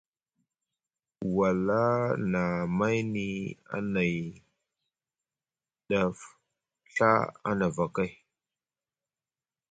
Wala na mayni anay daf Ɵa a nafa kay.